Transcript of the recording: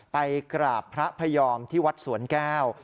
ไปกราบพระพยอมที่วัดสวนแก้ว